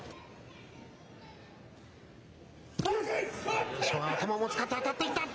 大栄翔が頭も使って当たっていった。